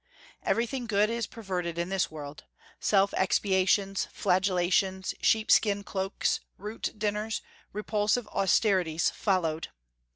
Everything good is perverted in this world. Self expiations, flagellations, sheepskin cloaks, root dinners, repulsive austerities, followed.